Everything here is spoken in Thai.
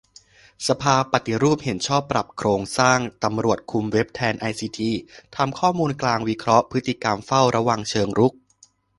สภาปฏิรูปเห็นชอบปรับโครงสร้างตำรวจคุมเว็บแทนไอซีที ทำข้อมูลกลางวิเคราะห์พฤติกรรมเฝ้าระวังเชิงรุก